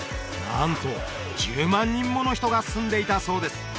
なんと１０万人もの人が住んでいたそうです